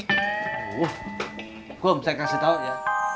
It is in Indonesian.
kum saya kasih tau ya